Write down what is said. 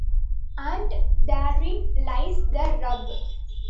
And therein lies the rub.